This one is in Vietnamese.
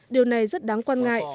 điều này rất đáng quan ngại